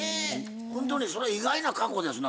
ほんとにそれ意外な過去ですな